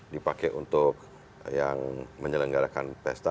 dipakai untuk yang menyelenggarakan pesta